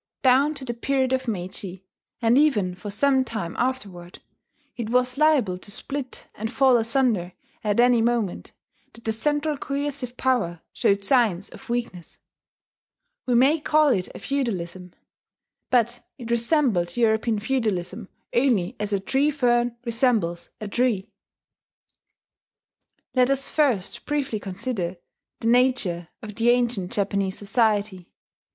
Down to the period of Meiji, and even for some time afterward, it was liable to split and fall asunder at any moment that the central coercive power showed signs of weakness. We may call it a feudalism; but it resembled European feudalism only as a tree fern resembles a tree. Let us first briefly consider the nature of the ancient Japanese society.